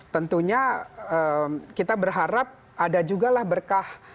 tentunya kita berharap ada juga lah berkah